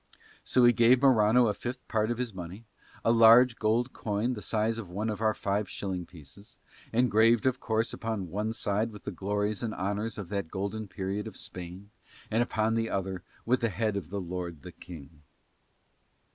So he gave Morano a fifth part of his money, a large gold coin the size of one of our five shilling pieces, engraved of course upon one side with the glories and honours of that golden period of Spain, and upon the other with the head of the lord the King.